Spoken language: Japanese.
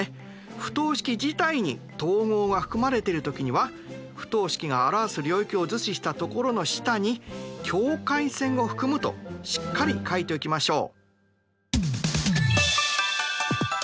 不等式自体に等号が含まれている時には不等式が表す領域を図示した所の下に「境界線を含む」としっかり書いておきましょう。